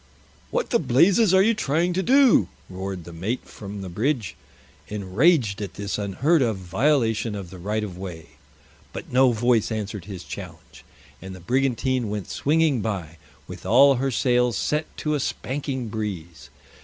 "What the blazes are you trying to do?" roared the mate from the bridge, enraged at this unheard of violation of the right of way. But no voice answered his challenge, and the brigantine went swinging by, with all her sails set to a spanking breeze.